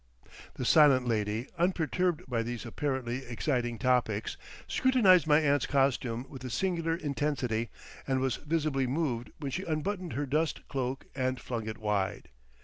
The silent lady, unperturbed by these apparently exciting topics, scrutinised my aunt's costume with a singular intensity, and was visibly moved when she unbuttoned her dust cloak and flung it wide.